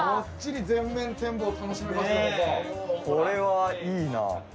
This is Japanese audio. これはいいな。